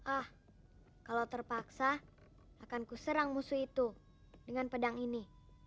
ah kalau terpaksa akan ku serang musuh itu dengan pedang ini